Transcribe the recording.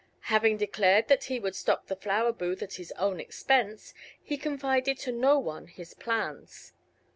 Having declared that he would stock the flower booth at his own expense, he confided to no one his plans.